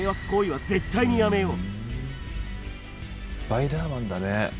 『スパイダーマン』だね